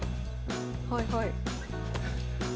はいはい。